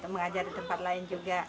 mengajar di tempat lain juga